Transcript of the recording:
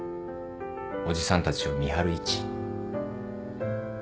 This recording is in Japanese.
おじさんたちを見張る位置。